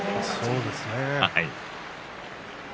そうですね。